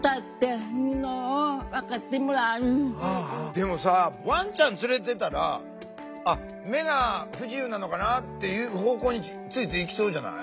でもさワンちゃん連れてたら目が不自由なのかなっていう方向についついいきそうじゃない？